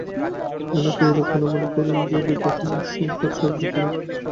অনেকে এইরূপ অনুমান করেন যে, গীতাখানি শঙ্করাচার্য-প্রণীত।